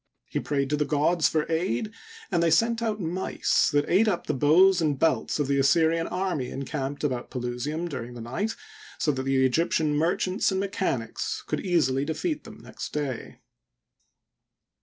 He prayed to the gods for aid, and they sent out mice that ate up the bows and belts of the Assyrian army encamped about Pelusium during the night, so that the Egyptian merchants and mechanics could easily defeat them next day.